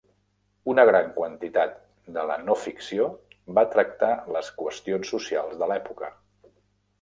Una gran quantitat de la no-ficció va tractar les qüestions socials de l'època.